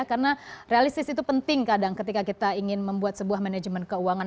karena realistis itu penting kadang ketika kita ingin membuat sebuah manajemen keuangan